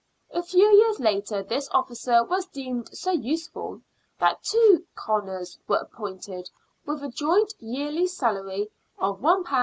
A few years later this officer was deemed so useful that two " conners " were appointed, with a joint yearly salary of £1 6s.